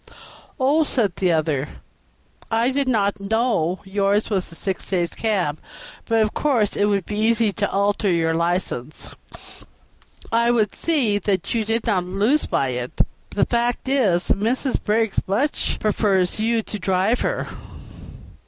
"Oh!" said the other, "I did not know yours was a six days' cab; but of course it would be very easy to alter your license. I would see that you did not lose by it; the fact is, Mrs. Briggs very much prefers you to drive her."